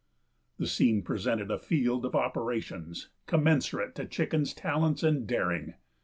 The scene presented a field of operations commensurate to Chicken's talents and daring.